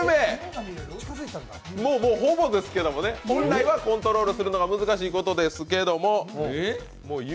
ほぼですけどね、本来はコントロールするのが難しいことですけども。